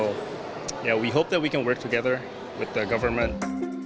jadi kita berharap kita bisa bekerja bersama dengan pemerintah